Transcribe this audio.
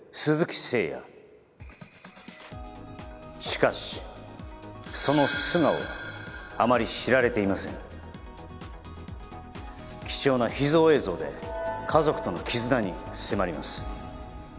しかしその素顔はあまり知られていません貴重な秘蔵映像で家族との絆に迫ります